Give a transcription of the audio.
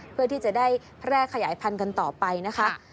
เพื่อที่จะได้แพร่ขยายพันธุ์ต่อไปนะคะ